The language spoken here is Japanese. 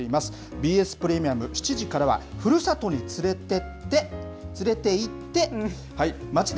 ＢＳプレミアム、７時からは、ふるさとに連れて行って！